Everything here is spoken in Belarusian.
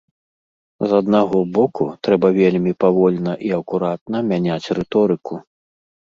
З аднаго боку, трэба вельмі павольна і акуратна мяняць рыторыку.